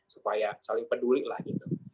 supaya saling peduli lah gitu